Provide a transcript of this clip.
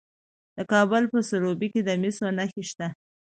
د کابل په سروبي کې د مسو نښې شته.